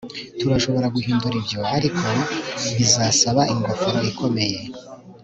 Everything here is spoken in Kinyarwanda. turashobora guhindura ibyo, ariko bizasaba ingofero ikomeye